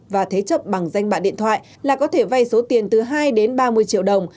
và thế chấp bằng danh bạ điện thoại là có thể vay số tiền từ hai đến ba mươi triệu đồng